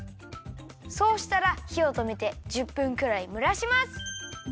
そうしたらひをとめて１０分くらいむらします。